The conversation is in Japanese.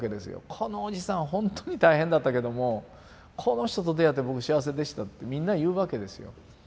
「このおじさんほんとに大変だったけどもこの人と出会って僕幸せでした」ってみんなに言うわけですよ。